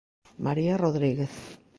María Rodríguez.